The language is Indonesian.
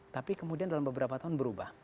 tapi kemudian dalam beberapa tahun berubah